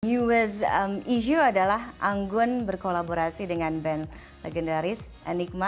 newest issue adalah anggun berkolaborasi dengan band legendaris enigma